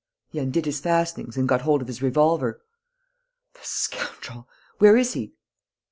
"He undid his fastenings and got hold of his revolver." "The scoundrel! Where is he?"